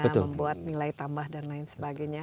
nah membuat nilai tambah dan lain sebagainya